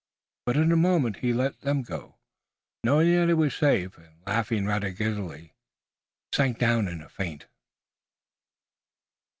But, in a moment, he let them go, knowing that he was safe, and laughing rather giddily, sank down in a faint.